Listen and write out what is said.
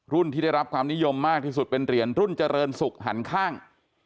ที่ได้รับความนิยมมากที่สุดเป็นเหรียญรุ่นเจริญศุกร์หันข้าง